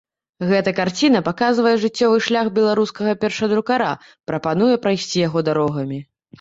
Гэта карціна паказвае жыццёвы шлях беларускага першадрукара, прапануе прайсці яго дарогамі.